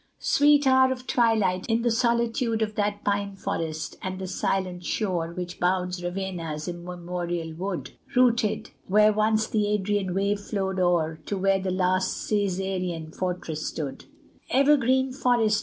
Sweet hour of twilight! in the solitude Of that pine forest, and the silent shore Which bounds Ravenna's immemorial wood, Rooted where once the Adrian wave flowed o'er To where the last Cæsarean fortress stood, Evergreen forest!